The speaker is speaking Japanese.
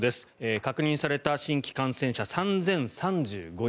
確認された新規感染者３０３５人。